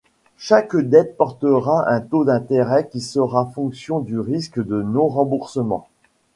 Chaque dette portera un taux d'intérêt qui sera fonction du risque de non remboursement.